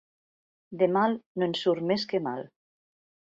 De mal, no en surt més que mal.